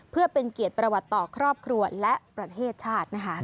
เพื่อเป็นเกียรติประวัติต่อครอบครัวและประเทศชาตินะคะ